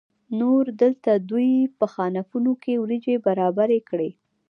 نور دلته دوی په خانکونو کې وریجې برابرې کړې.